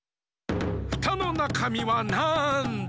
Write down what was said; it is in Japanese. フタのなかみはなんだ？